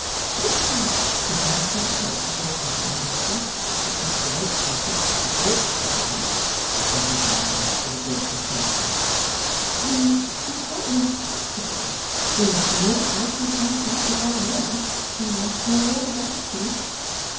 'If I give my consent to your going, Betty which Mr Rokesmith thinks I ought to do ' Betty thanked him with a grateful curtsey. ' We must not lose sight of you. We must not let you pass out of our knowledge. We must know all about you.